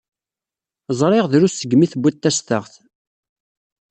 Ẓriɣ drus segmi tewwiḍ tastaɣt.